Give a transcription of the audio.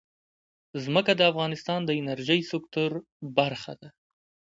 ځمکه د افغانستان د انرژۍ سکتور برخه ده.